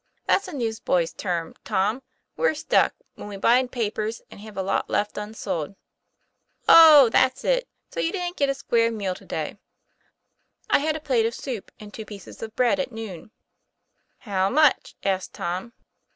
" That's a newsboy's term, Tom: we're 'stuck' when we buy papers and have a lot left unsold." "Oh, that's it. So you didn't get a square meal to day ?"'' I had a plate of soup and two pieces of bread at noon." " How much ?' asked Tom.